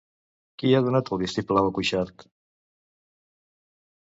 Qui ha donat el vistiplau a Cuixart?